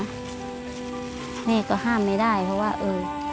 แม่ก็ห้ามไม่ได้เพราะว่าเออ